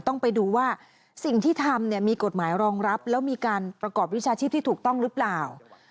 ต้องไปดูว่าสิ่งที่ทำเนี่ยมีกฎหมายรองรับแล้วมีการประกอบวิชาชีพที่ถูกต้องหรือเปล่า